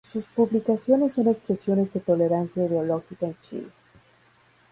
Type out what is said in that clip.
Sus publicaciones son expresiones de tolerancia ideológica en Chile.